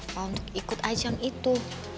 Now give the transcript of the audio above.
tapi jangan berubah pikiran untuk mengizinkan reva